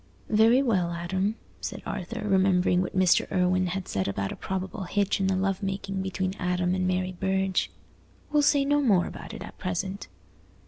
"Very well, Adam," said Arthur, remembering what Mr. Irwine had said about a probable hitch in the love making between Adam and Mary Burge, "we'll say no more about it at present.